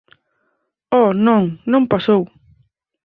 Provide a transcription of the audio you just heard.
Oh, non, non pasou!